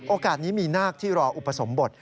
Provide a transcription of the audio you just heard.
โอกาสนี้มีนาคที่รออุปสมบท